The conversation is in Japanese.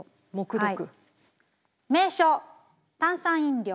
名称炭酸飲料。